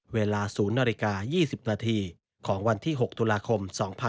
เวลา๐นาฬิกา๒๐นาทีของวันที่๖ตุลาคม๒๕๖๒